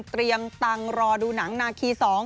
เตรียมตังค์รอดูหนังนาคี๒